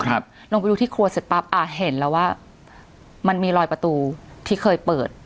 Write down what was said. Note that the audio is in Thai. ลงไปดูที่ครัวเสร็จปั๊บอ่าเห็นแล้วว่ามันมีรอยประตูที่เคยเปิด